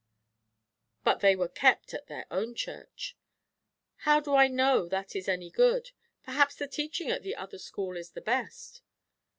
"But they were kept at their own church." "How do I know that is any good? Perhaps the teaching at the other school is the best."